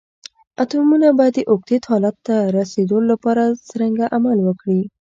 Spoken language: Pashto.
اتومونه به د اوکتیت حالت ته رسیدول لپاره څرنګه عمل وکړي؟